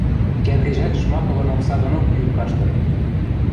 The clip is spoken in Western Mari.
Кӓврижӓт Жмаковын окса донок йӱн каштын!